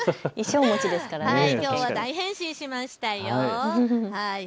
きょうは大変身しましたよ。